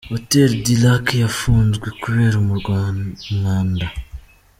Hotel du Lac yafunzwe kubera umwanda.